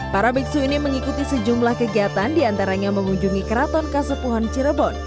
para biksu ini mengikuti sejumlah kegiatan diantaranya mengunjungi keraton kasepuhan cirebon